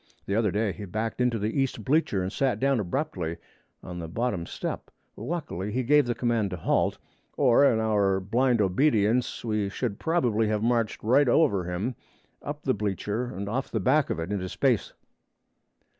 The other day he backed into the east bleacher and sat down abruptly on the bottom step. Luckily he gave the command to halt, or in our blind obedience we should probably have marched right over him up the bleacher and off the back of it into space.